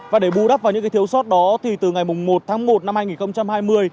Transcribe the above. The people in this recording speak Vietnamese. và để bù đắp vào những thiếu sót đó thì từ ngày một tháng một năm hai nghìn hai mươi